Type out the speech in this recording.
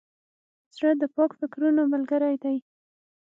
زړه د پاک فکرونو ملګری دی.